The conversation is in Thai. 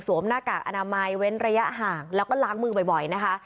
หน้ากากอนามัยเว้นระยะห่างแล้วก็ล้างมือบ่อยนะคะ